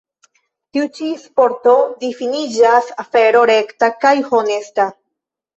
Tiu ĉi sporto difiniĝas afero rekta kaj honesta.